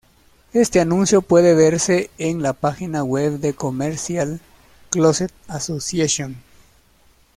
Este anuncio puede verse en la página web de Commercial Closet Association.